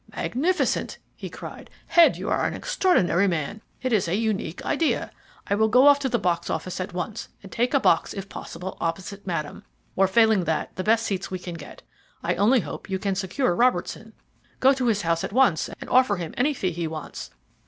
"Magnificent!" he cried. "Head, you are an extraordinary man! It is a unique idea. I will go off to the box office at once and take a box if possible opposite Madame, or, failing that, the best seats we can get. I only hope you can secure Robertson. Go to his house at once and offer him any fee he wants.